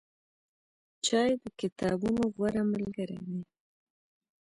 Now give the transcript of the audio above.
چای د کتابونو غوره ملګری دی.